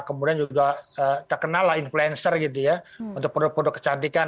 kemudian juga terkenallah influencer gitu ya untuk produk produk kecantikan